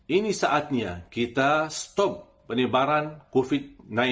ini saatnya kita stop penyebaran covid sembilan belas